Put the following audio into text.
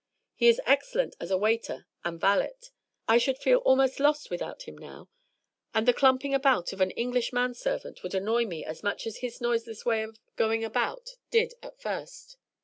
He is excellent as a waiter and valet; I should feel almost lost without him now; and the clumping about of an English man servant would annoy me as much as his noiseless way of going about did at first.